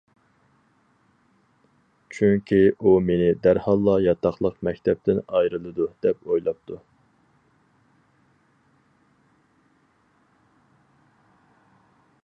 چۈنكى ئۇ مېنى دەرھاللا ياتاقلىق مەكتەپتىن ئايرىلىدۇ دەپ ئويلاپتۇ.